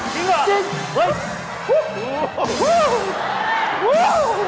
จริงเหรอ